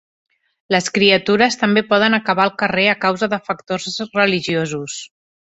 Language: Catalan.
Les criatures també poden acabar al carrer a causa de factors religiosos.